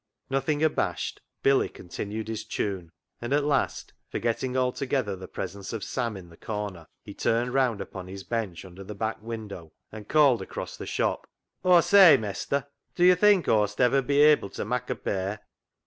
Nothing abashed, Billy continued his tune, and at last, forgetting altogether the presence of Sam in the corner, he turned round upon his bench under the back window, and called across the shop —" Aw say, mestur, do yo' think Aw'st [I shall] ever be able to mak' a pair